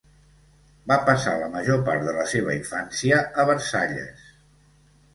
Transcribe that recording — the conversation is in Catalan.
Va passar la major part de la seva infància a Versalles.